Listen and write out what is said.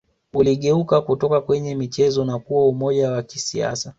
Uligeuka kutoka kwenye michezo na kuwa umoja wa kisiasa